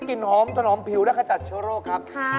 คุณมีมันชัยอาบน้ำ